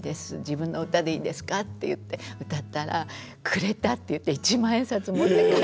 自分の歌でいいですか」って言って歌ったらくれたって言って一万円札持って帰ってきたりね。